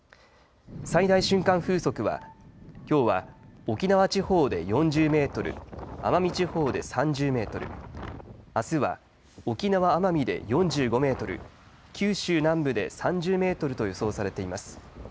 最大瞬間風速はきょうは沖縄地方で４０メートル、奄美地方で３０メートル、あすは沖縄・奄美で４５メートル、九州南部で３０メートルと予想されています。